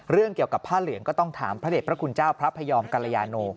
เรื่องเกี่ยวกับผ้าเหลืองก็ต้องถามพระเด็จพระคุณเจ้าพระพยอมกรยาโน